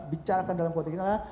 bicarakan dalam politik ini adalah